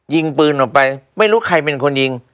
ยิงปืนออกไปไม่รู้ใครเป็นคนยิง